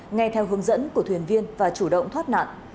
nghe theo hướng dẫn của thuyền viên và chủ động thoát nạn